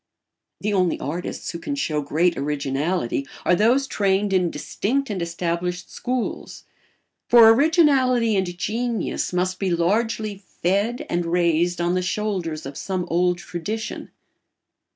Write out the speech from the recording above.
The only artists who can show great originality are those trained in distinct and established schools; for originality and genius must be largely fed and raised on the shoulders of some old tradition.